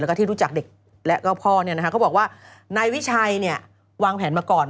แล้วก็ที่รู้จักเด็กและก็พ่อเขาบอกว่านายวิชัยเนี่ยวางแผนมาก่อน